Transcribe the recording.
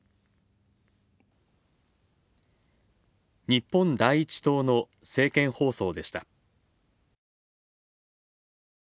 日本第一党の政見放送でした。